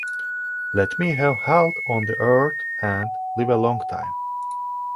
Let me have health on the earth, and live a long time.